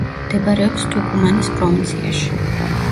მდებარეობს ტუკუმანის პროვინციაში.